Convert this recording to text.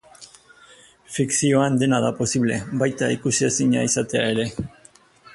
Fikzioan dena da posible, baita ikusezina izatea ere.